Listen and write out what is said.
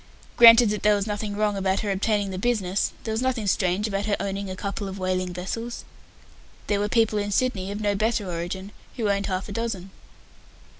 Granted that there was nothing wrong about her obtaining the business, there was nothing strange about her owning a couple of whaling vessels. There were people in Sydney, of no better origin, who owned half a dozen.